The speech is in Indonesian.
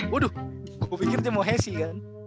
waduh aku pikir dia mau hesi kan